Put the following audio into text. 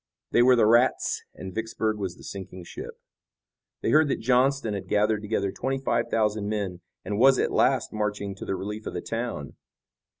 They were the rats and Vicksburg was the sinking ship. They heard that Johnston had gathered together twenty five thousand men and was at last marching to the relief of the town.